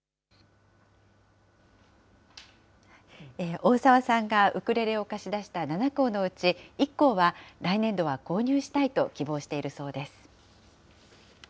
大澤さんがウクレレを貸し出した７校のうち、１校は来年度は購入したいと希望しているそうです。